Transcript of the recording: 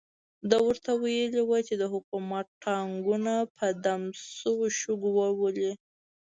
ده ورته ویلي وو چې د حکومت ټانګونه په دم شوو شګو وولي.